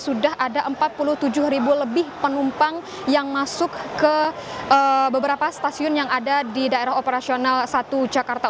sudah ada empat puluh tujuh ribu lebih penumpang yang masuk ke beberapa stasiun yang ada di daerah operasional satu jakarta